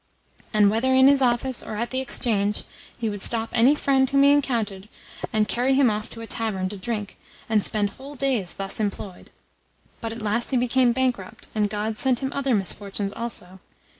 And whether in his office or at the Exchange, he would stop any friend whom he encountered and carry him off to a tavern to drink, and spend whole days thus employed. But at last he became bankrupt, and God sent him other misfortunes also.